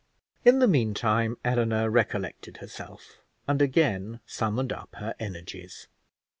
In the meantime Eleanor recollected herself, and again summoned up her energies.